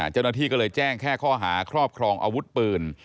เจ้าหน้าที่ก็เลยแจ้งแค่ข้อหาครอบครองอาวุธปืน